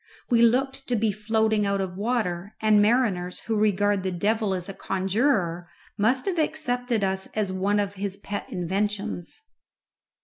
We looked to be floating out of water, and mariners who regard the devil as a conjuror must have accepted us as one of his pet inventions.